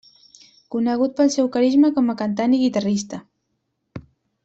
Conegut pel seu carisma com a cantant i guitarrista.